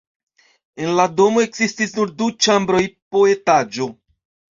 En la domo ekzistis nur du ĉambroj po etaĝo.